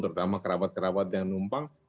terutama kerabat kerabat yang numpang